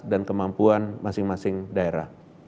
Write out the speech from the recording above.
dan kemampuan masing masing daerah